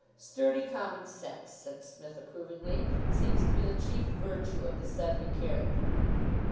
"Sturdy common sense," said Psmith approvingly, "seems to be the chief virtue of the Sedleigh character."